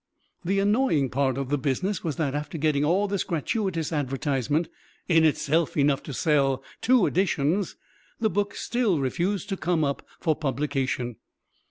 The annoying part of the business was that after getting all this gratuitous advertisement, in itself enough to sell two editions, the book still refused to come up for publication.